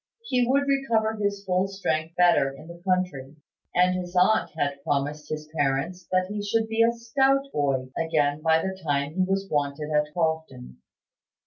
He would recover his full strength better in the country; and his aunt had promised his parents that he should be a stout boy again by the time he was wanted at Crofton.